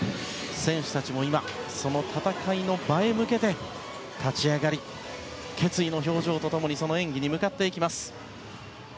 選手たちも今その戦いの場へ向けて立ち上がり、決意の表情と共にその演技に向かっていきます。